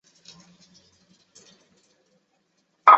索尔福德百户区包含了几个教区和镇区。